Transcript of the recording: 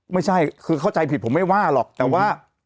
ไม่ใช่คือเข้าใจผิดผมไม่ว่าหรอกแต่ว่า